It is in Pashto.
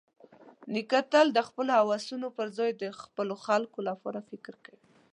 نیکه تل د خپلو هوسونو پرځای د خپلو خلکو لپاره فکر کوي.